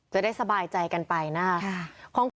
จะได้สบายใจกันไปนะครับ